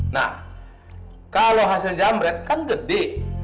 nah kalau hasil jambret kan gede